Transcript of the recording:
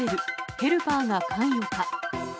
ヘルパーが関与か。